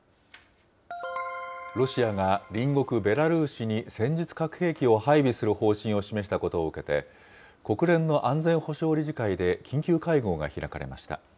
ロシアが隣国ベラルーシに戦術核兵器を配備する方針を示したことを受けて、国連の安全保障理事会で緊急会合が開かれました。